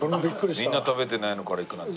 みんな食べてないのからいくなんて。